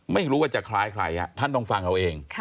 ไม่รู้ว่าจะคล้ายใครท่านต้องฟังเอาเอง